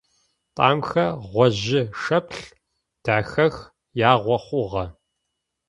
Тӏамхэр гъожьы-шэплъ дахэх, ягъо хъугъэ.